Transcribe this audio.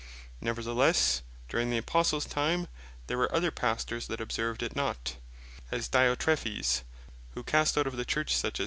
Neverthelesse, during the Apostles time, there were other Pastors that observed it not; As Diotrephes (3 John 9. &c.) who cast out of the Church, such as S.